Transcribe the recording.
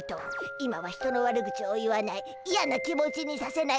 今は人の悪口を言わないいやな気持ちにさせない。